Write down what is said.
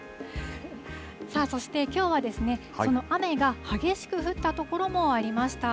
さあそして、きょうはその雨が激しく降った所もありました。